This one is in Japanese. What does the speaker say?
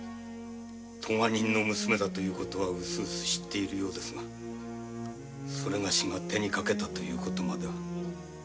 罪人の娘だという事はうすうす知っているようですが私が手にかけたという事までは。